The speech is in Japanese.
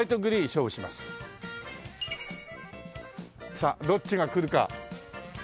さあどっちが来るか。